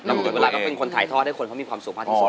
อยู่กับตัวเองแล้วเป็นคนถ่ายทอดให้คนเขามีความสุขบ้างที่สุด